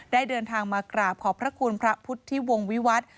เดินทางมากราบขอบพระคุณพระพุทธิวงศ์วิวัฒน์